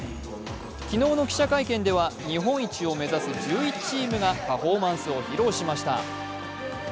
昨日の記者会見では日本一を目指す１１チームがパフォーマンスを披露しました。